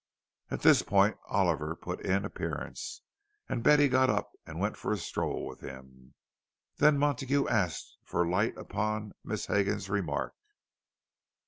At this point Oliver put in appearance, and Betty got up and went for a stroll with him; then Montague asked for light upon Miss Hegan's remark.